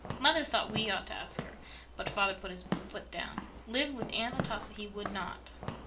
Mother thought we ought to take her, but father put his foot down. Live with Aunt Atossa he would not."